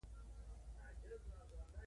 سترګې ېې شنې دي